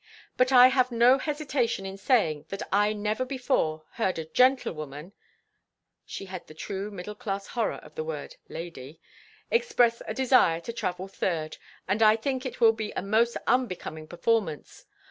"But I have no hesitation in saying that I never before heard a gentlewoman"—she had the true middle class horror of the word "lady"—"express a desire to travel third, and I think it will be a most unbecoming performance.